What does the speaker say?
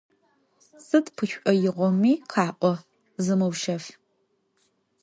Сыд пшӏоигъоми къаӏо, зымыушъэф.